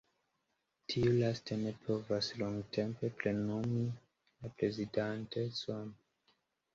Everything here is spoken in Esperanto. Tiu lasta ne povis longtempe plenumi la prezidantecon.